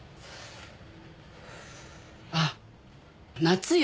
あっ夏よ。